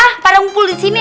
ah pada ngumpul di sini